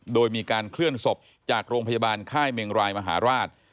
โดยมีการเคลื่อนศพจากโรงพยาบาลค่ายเมงรายมหาราช